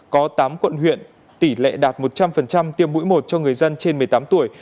có tám quận huyện tỷ lệ đạt một trăm linh tiêm mũi một cho người dân trên một mươi tám tuổi